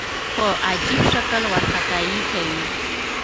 په عجیب شکل وارخطايي کوي.